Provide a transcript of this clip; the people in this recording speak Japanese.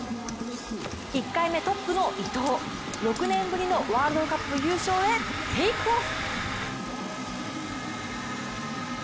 １回目トップの伊藤６年ぶりのワールドカップ優勝へテイクオフ！